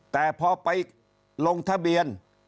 แต่พอไปลงทะเบียน